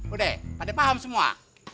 udah pada paham semua